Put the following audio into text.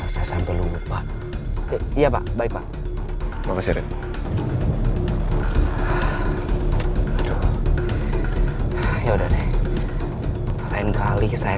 sampai jumpa di video selanjutnya